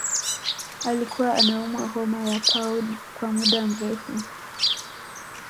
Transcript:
alikuwa anaumwa homa ya pau kwa muda mrefu